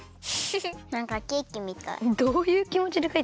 なんかケーキみたい。